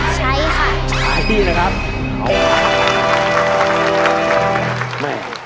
ใช้ค่ะ